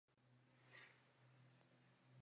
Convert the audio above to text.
Volveos, hijas mías: ¿para qué habéis de ir conmigo?